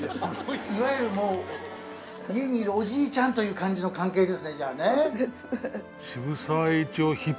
いわゆるもう家にいるおじいちゃんという感じの関係ですねじゃあね。